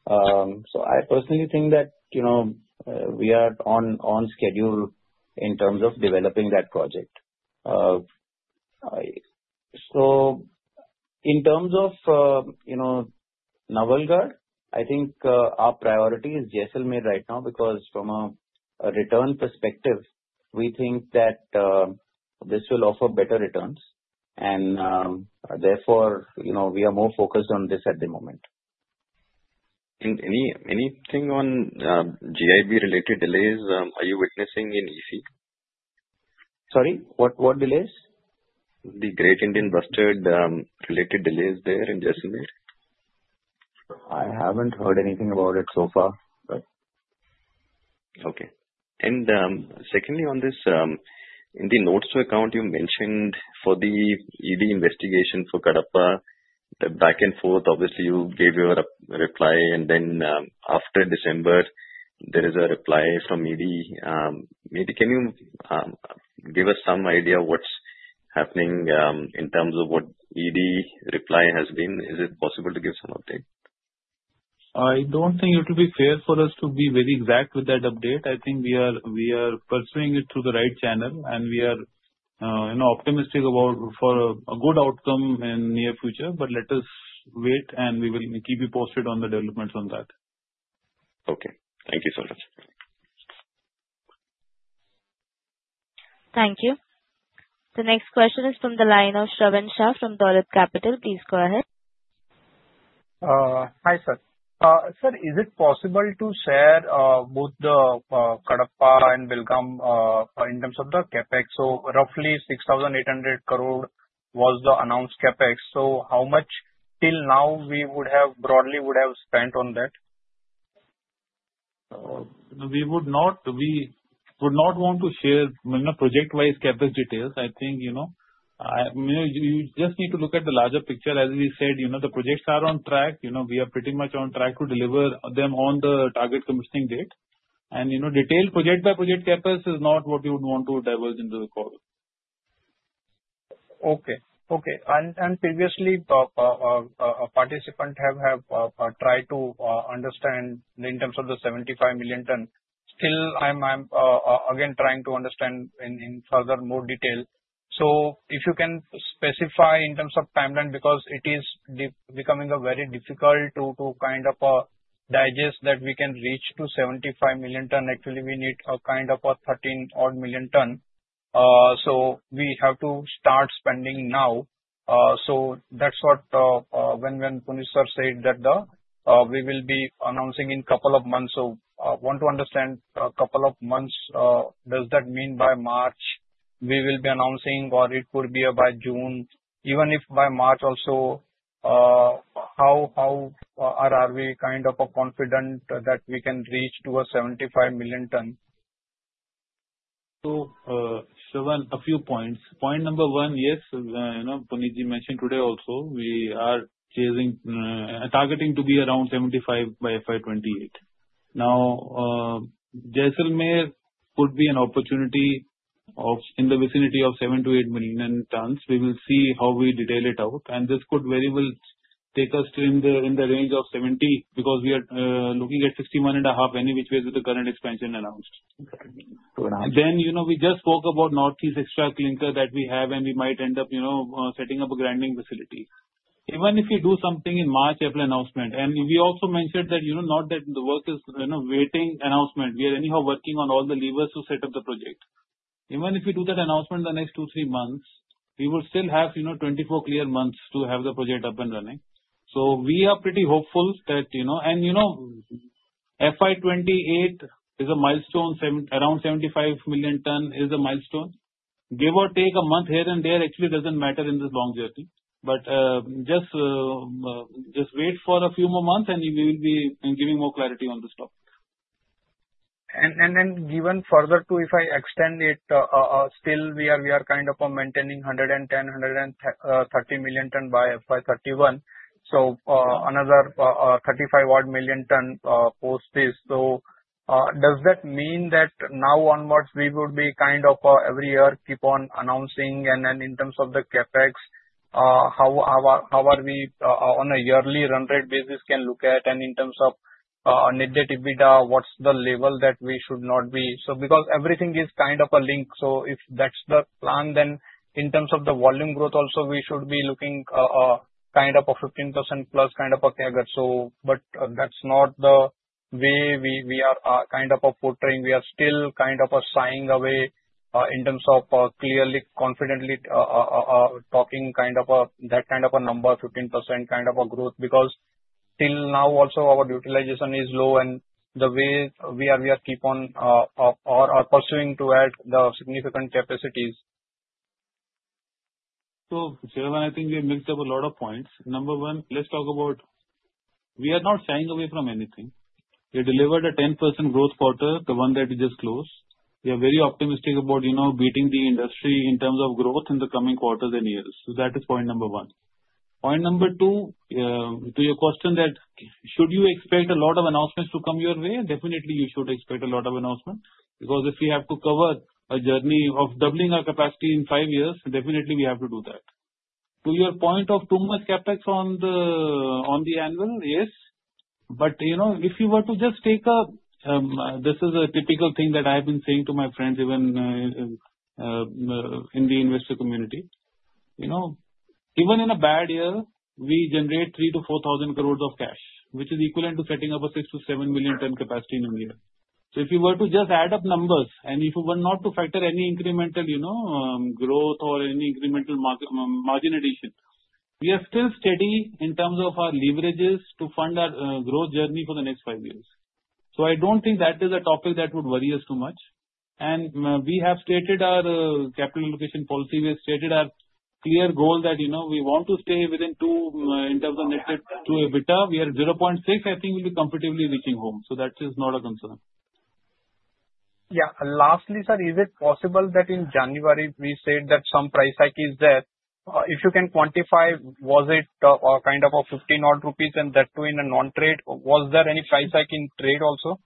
I personally think that we are on schedule in terms of developing that project. In terms of Navalgarh, our priority is Jaisalmer right now because from a return perspective, we think that this will offer better returns. Therefore, we are more focused on this at the moment. Anything on GIB-related delays are you witnessing in EC? Sorry? What delays? The Great Indian Bustard-related delays there in Jaisalmer. I haven't heard anything about it so far. Okay. Secondly, on this, in the notes to account, you mentioned for the ED investigation for Kadapa, the back and forth, obviously you gave your reply. After December, there is a reply from ED. Maybe can you give us some idea of what's happening in terms of what ED reply has been? Is it possible to give some update? I don't think it will be fair for us to be very exact with that update. I think we are pursuing it through the right channel, and we are optimistic about a good outcome in the near future. Let us wait, and we will keep you posted on the developments on that. Okay. Thank you so much. Thank you. The next question is from the line of Shravan Shah from Dolat Capital. Please go ahead. Hi, sir. Sir, is it possible to share both the Kadapa and Belgaum in terms of the CapEx? Roughly 6,800 crore was the announced CapEx. How much till now would we have broadly spent on that? We would not want to share project-wise CapEx details. I think you just need to look at the larger picture. As we said, the projects are on track. We are pretty much on track to deliver them on the target commissioning date. Detailed project-by-project CapEx is not what you would want to divulge into the call. Okay. Okay. Previously, participants have tried to understand in terms of the 75 million ton. Still, I'm again trying to understand in further more detail. If you can specify in terms of timeline because it is becoming very difficult to kind of digest that we can reach to 75 million ton. Actually, we need kind of a 13-odd million ton. We have to start spending now. That is what when Puneetji sir said that we will be announcing in a couple of months. I want to understand a couple of months. Does that mean by March we will be announcing, or it could be by June? Even if by March also, how are we kind of confident that we can reach to a 75 million ton? A few points. Point number one, yes, Puneetji mentioned today also, we are targeting to be around 75 by FY 2028. Now, Jaisalmer could be an opportunity in the vicinity of 7-8 million tons. We will see how we detail it out. This could very well take us in the range of 70 because we are looking at 61.5, which is the current expansion announced. We just spoke about Northeast extra clinker that we have, and we might end up setting up a grinding facility. Even if we do something in March, after the announcement, we also mentioned that not that the work is waiting announcement. We are anyhow working on all the levers to set up the project. Even if we do that announcement in the next two, three months, we will still have 24 clear months to have the project up and running. We are pretty hopeful that and FY 2028 is a milestone. Around 75 million ton is a milestone. Give or take a month here and there actually does not matter in this long journey. Just wait for a few more months, and we will be giving more clarity on this topic. Then given further too, if I extend it, still we are kind of maintaining 110-130 million ton by FY 2031. Another 35-odd million ton post this. Does that mean that now onwards we would be kind of every year keep on announcing? In terms of the CapEx, how are we on a yearly run rate basis can look at? In terms of nitty-gritty bidder, what's the level that we should not be? Because everything is kind of a link. If that's the plan, then in terms of the volume growth also, we should be looking kind of a 15% plus kind of CAGR. That's not the way we are kind of portraying. We are still kind of shying away in terms of clearly, confidently talking kind of that kind of a number, 15% kind of a growth because till now also our utilization is low. The way we are keep on or are pursuing to add the significant capacities. Shravan, I think we've mixed up a lot of points. Number one, let's talk about we are not shying away from anything. We delivered a 10% growth quarter, the one that we just closed. We are very optimistic about beating the industry in terms of growth in the coming quarters and years. That is point number one. Point number two, to your question that should you expect a lot of announcements to come your way? Definitely, you should expect a lot of announcements because if we have to cover a journey of doubling our capacity in five years, definitely we have to do that. To your point of too much CapEx on the annual, yes. If you were to just take a this is a typical thing that I have been saying to my friends, even in the investor community. Even in a bad year, we generate 3,000 crore-4,000 crore of cash, which is equivalent to setting up a 6-7 million ton capacity in a year. If you were to just add up numbers and if you were not to factor any incremental growth or any incremental margin addition, we are still steady in terms of our leverages to fund our growth journey for the next five years. I do not think that is a topic that would worry us too much. We have stated our capital allocation policy. We have stated our clear goal that we want to stay within two in terms of net debt to EBITDA. We are 0.6, I think we will be comfortably reaching home. That is not a concern. Yeah. Lastly, sir, is it possible that in January we said that some price hike is there? If you can quantify, was it kind of a 15-odd rupees and that too in a non-trade? Was there any price hike in trade also?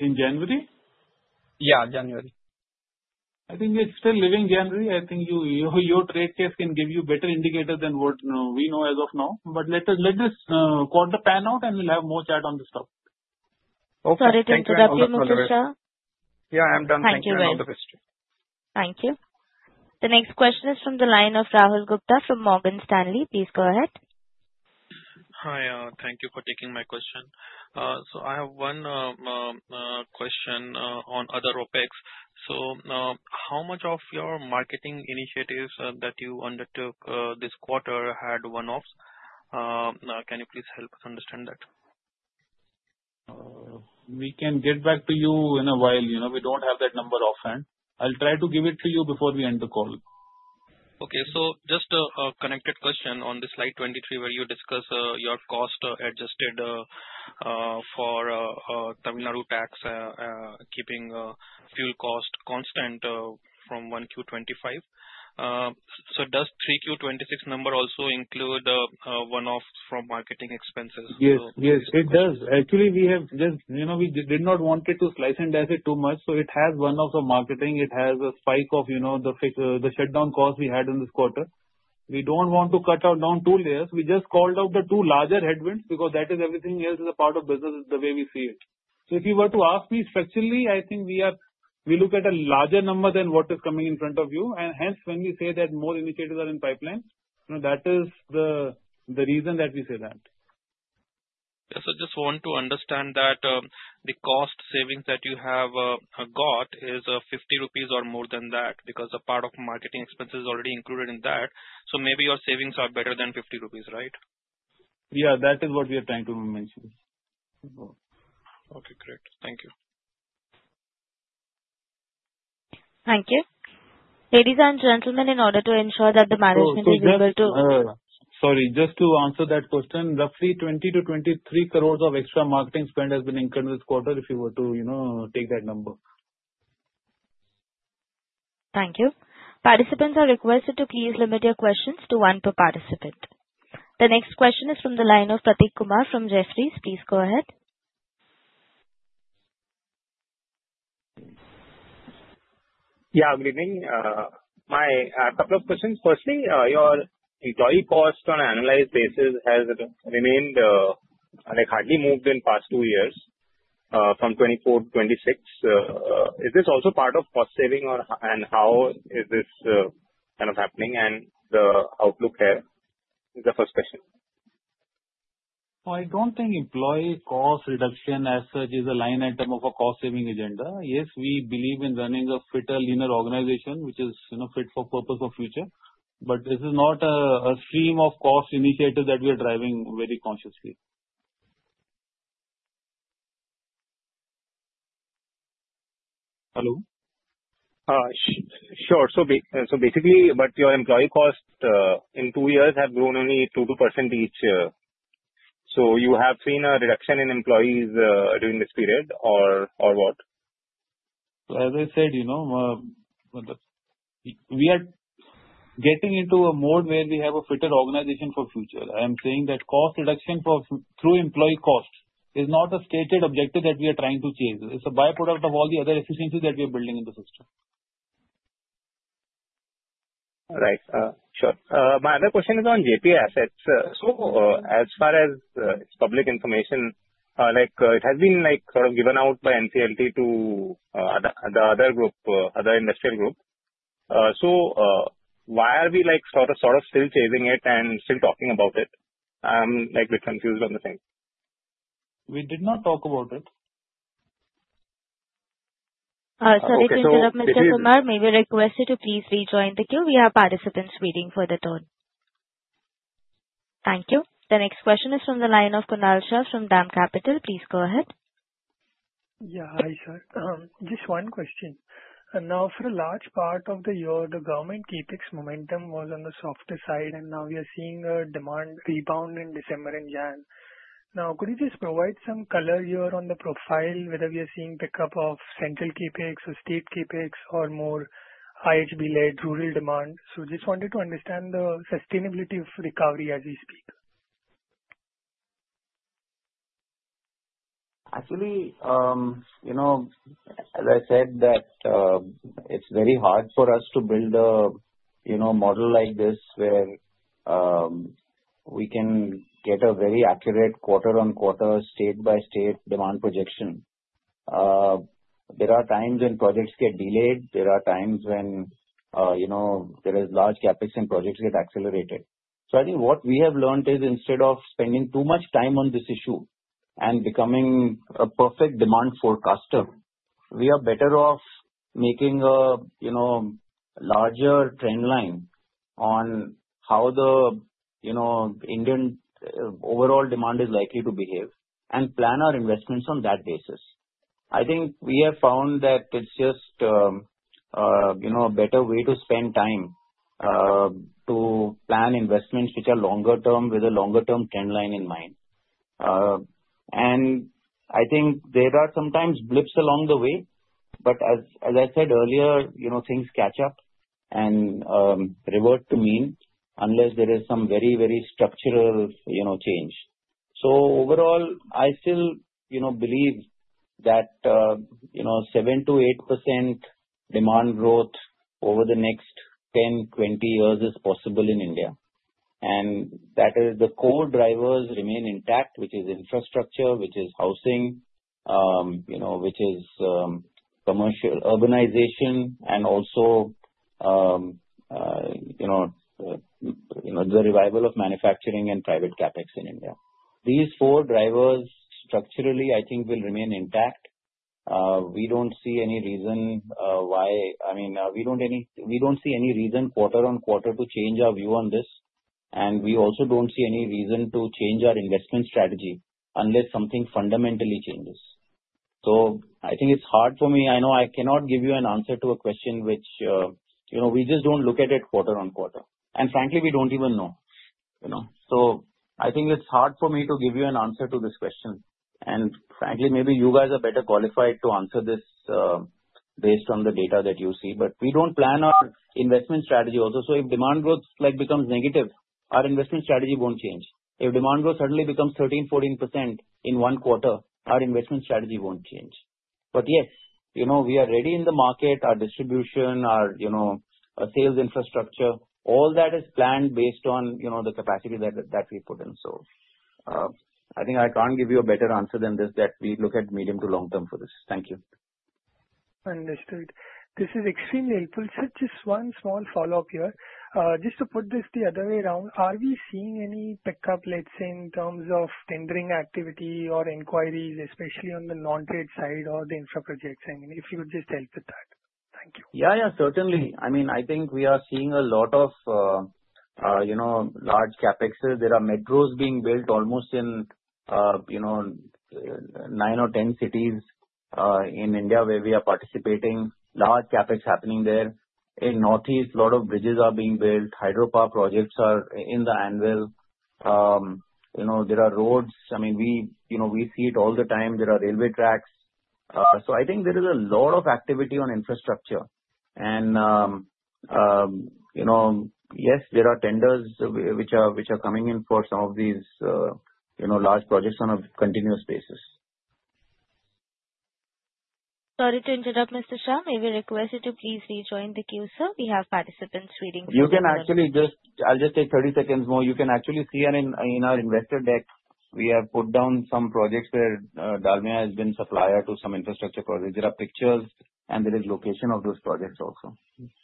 In January? Yeah, January. I think it's still living January. I think your trade case can give you better indicators than what we know as of now. Let us quote the pan out, and we'll have more chat on this topic. Okay. Thank you. Sorry to interrupt you, Mr. Shravan. Yeah, I'm done. Thank you. Thank you. The next question is from the line of Rahul Gupta from Morgan Stanley. Please go ahead. Hi. Thank you for taking my question. I have one question on other OpEx. How much of your marketing initiatives that you undertook this quarter had one-offs? Can you please help us understand that? We can get back to you in a while. We do not have that number offhand. I will try to give it to you before we end the call. Okay. Just a connected question on slide 23 where you discuss your cost adjusted for Tamil Nadu tax, keeping fuel cost constant from 1Q25. Does the 3Q26 number also include one-offs from marketing expenses? Yes. Yes, it does. Actually, we did not want to slice and dice it too much. It has one-offs of marketing. It has a spike of the shutdown cost we had in this quarter. We do not want to cut down two layers. We just called out the two larger headwinds because that is everything else is a part of business the way we see it. If you were to ask me structurally, I think we look at a larger number than what is coming in front of you. Hence, when we say that more initiatives are in pipeline, that is the reason that we say that. Yeah. Just want to understand that the cost savings that you have got is 50 rupees or more than that because a part of marketing expenses is already included in that. Maybe your savings are better than 50 rupees, right? Yeah. That is what we are trying to mention. Okay. Great. Thank you. Thank you. Ladies and gentlemen, in order to ensure that the management is able to. Sorry. Just to answer that question, roughly 20 crore-23 crore of extra marketing spend has been incurred this quarter if you were to take that number. Thank you. Participants are requested to please limit your questions to one per participant. The next question is from the line of Prateek Kumar from Jefferies. Please go ahead. Yeah. Good evening. A couple of questions. Firstly, your employee cost on an annualized basis has remained and it hardly moved in the past two years from 24 to 26. Is this also part of cost saving, and how is this kind of happening and the outlook here? This is the first question. I don't think employee cost reduction as such is a line item of a cost-saving agenda. Yes, we believe in running a fitter, leaner organization, which is fit for purpose of future. This is not a stream of cost initiative that we are driving very consciously. Hello. Sure. Basically, your employee cost in two years has grown only 2% each year. Have you seen a reduction in employees during this period or what? As I said, we are getting into a mode where we have a fitter organization for future. I am saying that cost reduction through employee cost is not a stated objective that we are trying to achieve. It's a byproduct of all the other efficiencies that we are building in the system. Right. Sure. My other question is on JP assets. As far as public information, it has been sort of given out by NCLT to the other group, other industrial group. Why are we sort of still chasing it and still talking about it? I'm a bit confused on the thing. We did not talk about it. Sorry to interrupt, Mr. Kumar. May we request you to please rejoin the queue? We have participants waiting for the turn. Thank you. The next question is from the line of Kunal Shah from DAM Capital. Please go ahead. Yeah. Hi, sir. Just one question. Now, for a large part of the year, the government CapEx momentum was on the softer side, and now we are seeing a demand rebound in December and January. Now, could you just provide some color here on the profile whether we are seeing pickup of central CapEx or state CapEx or more IHB-led rural demand? Just wanted to understand the sustainability of recovery as we speak. Actually, as I said, it's very hard for us to build a model like this where we can get a very accurate quarter-on-quarter, state-by-state demand projection. There are times when projects get delayed. There are times when there is large CapEx and projects get accelerated. I think what we have learned is instead of spending too much time on this issue and becoming a perfect demand forecaster, we are better off making a larger trend line on how the Indian overall demand is likely to behave and plan our investments on that basis. I think we have found that it's just a better way to spend time to plan investments which are longer-term with a longer-term trend line in mind. I think there are sometimes blips along the way, but as I said earlier, things catch up and revert to mean unless there is some very, very structural change. Overall, I still believe that 7-8% demand growth over the next 10-20 years is possible in India. The core drivers remain intact, which is infrastructure, which is housing, which is commercial urbanization, and also the revival of manufacturing and private CapEx in India. These four drivers structurally, I think, will remain intact. We do not see any reason, I mean, we do not see any reason quarter on quarter to change our view on this. We also do not see any reason to change our investment strategy unless something fundamentally changes. I think it is hard for me. I know I cannot give you an answer to a question which we just do not look at quarter on quarter. Frankly, we do not even know. I think it is hard for me to give you an answer to this question. Frankly, maybe you guys are better qualified to answer this based on the data that you see. We do not plan our investment strategy also. If demand growth becomes negative, our investment strategy will not change. If demand growth suddenly becomes 13-14% in one quarter, our investment strategy will not change. Yes, we are ready in the market, our distribution, our sales infrastructure. All that is planned based on the capacity that we put in. I think I cannot give you a better answer than this that we look at medium to long-term for this. Thank you. Understood. This is extremely helpful. Just one small follow-up here. Just to put this the other way around, are we seeing any pickup, let's say, in terms of tendering activity or inquiries, especially on the non-trade side or the infra projects? I mean, if you could just help with that. Thank you. Yeah. Yeah, certainly. I mean, I think we are seeing a lot of large CapExes. There are metros being built almost in 9 or 10 cities in India where we are participating. Large CapEx happening there. In Northeast, a lot of bridges are being built. Hydropower projects are in the anvil. There are roads. I mean, we see it all the time. There are railway tracks. I think there is a lot of activity on infrastructure. Yes, there are tenders which are coming in for some of these large projects on a continuous basis. Sorry to interrupt, Mr. Shah. May we request you to please rejoin the queue? We have participants waiting for you. I'll just take 30 seconds more. You can actually see in our investor deck, we have put down some projects where Dalmia has been supplier to some infrastructure projects. There are pictures, and there is location of those projects also.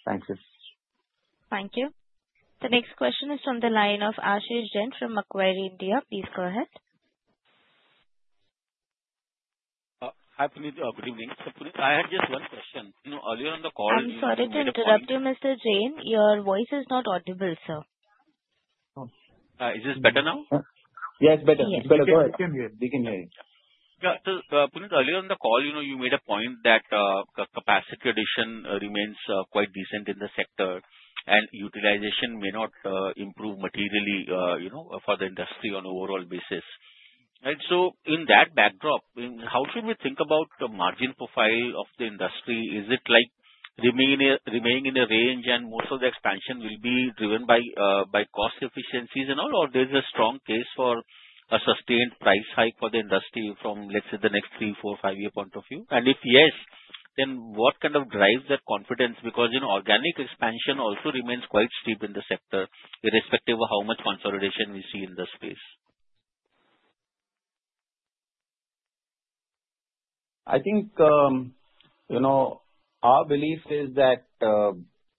Thank you. Thank you. The next question is from the line of Ashish Jain from Macquarie, India. Please go ahead. Hi, Puneet. Good evening. Puneet, I had just one question. Earlier on the call. I'm sorry to interrupt you, Mr. Jain. Your voice is not audible, sir. Is this better now? Yeah, it's better. It's better. Go ahead. We can hear you. We can hear you. Yeah. Puneet, earlier on the call, you made a point that capacity addition remains quite decent in the sector, and utilization may not improve materially for the industry on an overall basis. In that backdrop, how should we think about the margin profile of the industry? Is it like remaining in a range and most of the expansion will be driven by cost efficiencies and all, or there's a strong case for a sustained price hike for the industry from, let's say, the next three, four, five-year point of view? If yes, then what kind of drives that confidence? Because organic expansion also remains quite steep in the sector, irrespective of how much consolidation we see in the space. I think our belief is that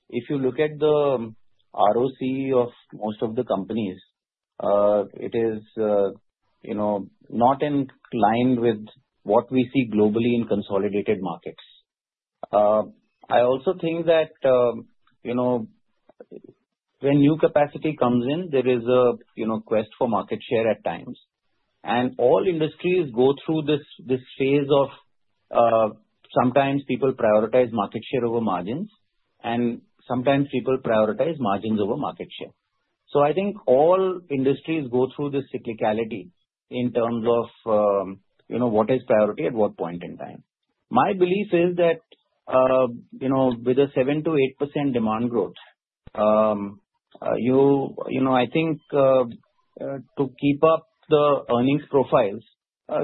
if you look at the ROC of most of the companies, it is not in line with what we see globally in consolidated markets. I also think that when new capacity comes in, there is a quest for market share at times. All industries go through this phase of sometimes people prioritize market share over margins, and sometimes people prioritize margins over market share. I think all industries go through this cyclicality in terms of what is priority at what point in time. My belief is that with a 7-8% demand growth, I think to keep up the earnings profiles,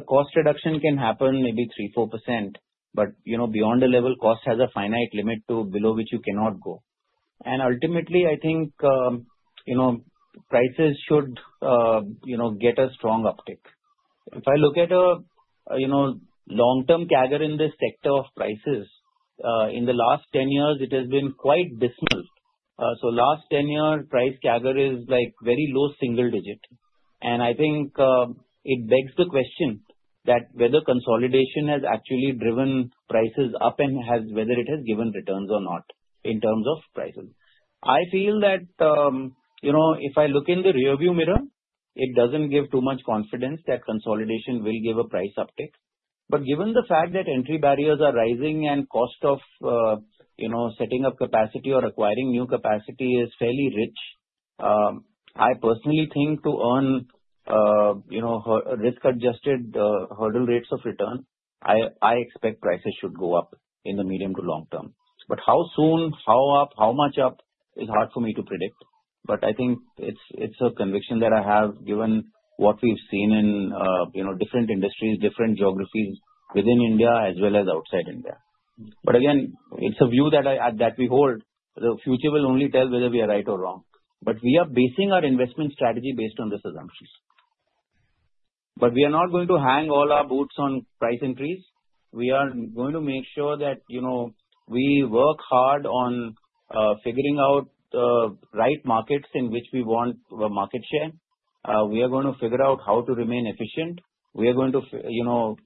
cost reduction can happen maybe 3-4%, but beyond a level, cost has a finite limit to below which you cannot go. Ultimately, I think prices should get a strong uptick. If I look at a long-term carrier in this sector of prices, in the last 10 years, it has been quite dismal. So last 10-year price carrier is very low single digit. And I think it begs the question that whether consolidation has actually driven prices up and whether it has given returns or not in terms of prices. I feel that if I look in the rearview mirror, it doesn't give too much confidence that consolidation will give a price uptick. But given the fact that entry barriers are rising and cost of setting up capacity or acquiring new capacity is fairly rich, I personally think to earn risk-adjusted hurdle rates of return, I expect prices should go up in the medium to long term. But how soon, how up, how much up is hard for me to predict. I think it's a conviction that I have given what we've seen in different industries, different geographies within India as well as outside India. It's a view that we hold. The future will only tell whether we are right or wrong. We are basing our investment strategy based on these assumptions. We are not going to hang all our boots on price increase. We are going to make sure that we work hard on figuring out the right markets in which we want market share. We are going to figure out how to remain efficient. We are going to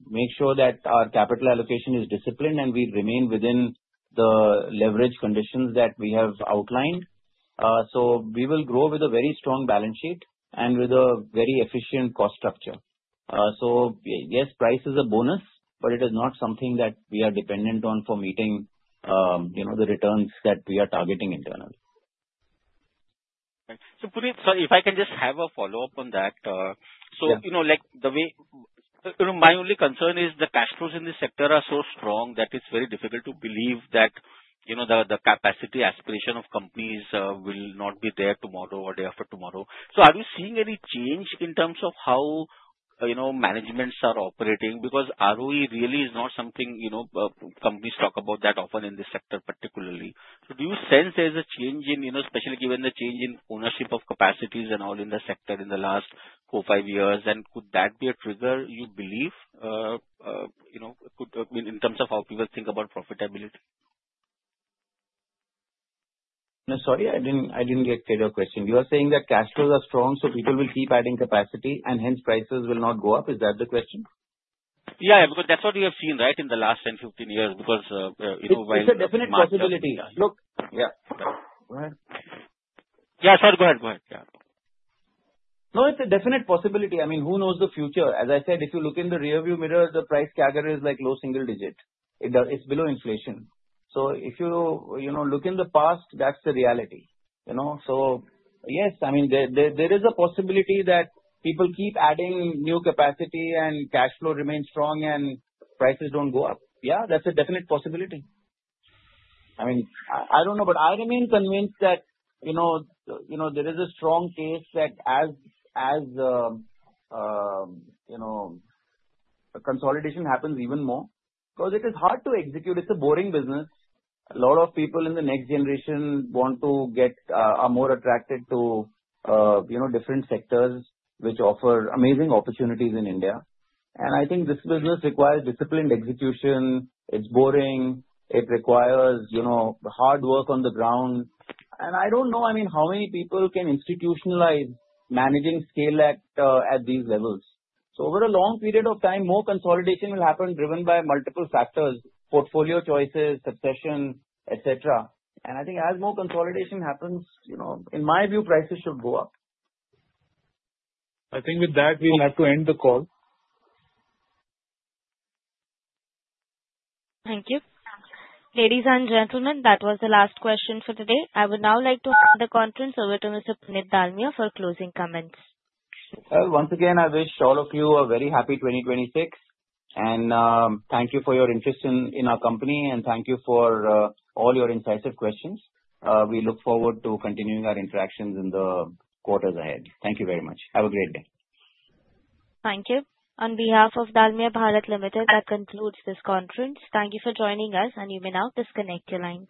make sure that our capital allocation is disciplined and we remain within the leverage conditions that we have outlined. We will grow with a very strong balance sheet and with a very efficient cost structure. Yes, price is a bonus, but it is not something that we are dependent on for meeting the returns that we are targeting internally. Puneet, sorry, if I can just have a follow-up on that. The way my only concern is the cash flows in this sector are so strong that it's very difficult to believe that the capacity aspiration of companies will not be there tomorrow or the day after tomorrow. Are we seeing any change in terms of how managements are operating? Because ROE really is not something companies talk about that often in this sector particularly. Do you sense there's a change in, especially given the change in ownership of capacities and all in the sector in the last four or five years? Could that be a trigger, you believe, in terms of how people think about profitability? Sorry, I didn't get clear your question. You are saying that cash flows are strong, so people will keep adding capacity, and hence prices will not go up. Is that the question? Yeah. Because that's what we have seen, right, in the last 10-15 years because why not? It's a definite possibility. Look. Yeah. Go ahead. Yeah. Sorry. Go ahead. Go ahead. Yeah. No, it's a definite possibility. I mean, who knows the future? As I said, if you look in the rearview mirror, the price carrier is like low single digit. It's below inflation. If you look in the past, that's the reality. Yes, I mean, there is a possibility that people keep adding new capacity and cash flow remains strong and prices don't go up. Yeah, that's a definite possibility. I mean, I don't know, but I remain convinced that there is a strong case that as consolidation happens even more because it is hard to execute. It's a boring business. A lot of people in the next generation are more attracted to different sectors which offer amazing opportunities in India. I think this business requires disciplined execution. It's boring. It requires hard work on the ground. I do not know, I mean, how many people can institutionalize managing scale at these levels. Over a long period of time, more consolidation will happen driven by multiple factors: portfolio choices, succession, etc. I think as more consolidation happens, in my view, prices should go up. I think with that, we'll have to end the call. Thank you. Ladies and gentlemen, that was the last question for today. I would now like to hand the conference over to Mr. Puneet Dalmia for closing comments. I wish all of you a very happy 2026. Thank you for your interest in our company. Thank you for all your insightful questions. We look forward to continuing our interactions in the quarters ahead. Thank you very much. Have a great day. Thank you. On behalf of Dalmia Bharat Limited, that concludes this conference. Thank you for joining us, and you may now disconnect your line.